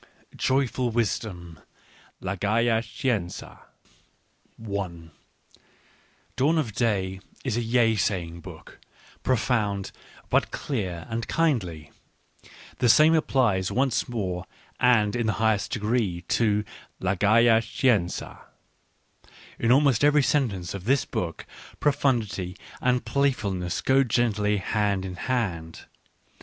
" Joyful Wisdom : La Gaya Scienza " Dawn of Day is a yea saying book, profound, but clear and kindly. The same applies once more and in the highest degree to La Gaya Scienza : in almost every sentence of this book, profundity and playfulness go gently hand in hand.